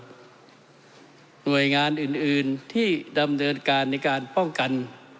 หน่วยงานอื่นที่ดำเนินการในการป้องกัน